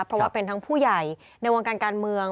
เพราะว่าเป็นทั้งผู้ใหญ่ในวงการการเมือง